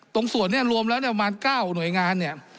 ตรงส่วนนี้รวมแล้วเนี่ยประมาณ๙หน่วยงานเนี่ย